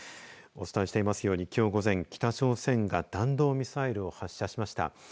お伝えしていますようにきょう午前、北朝鮮が弾道ミサイルを発射しました。